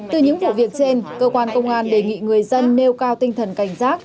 từ những vụ việc trên cơ quan công an đề nghị người dân nêu cao tinh thần cảnh giác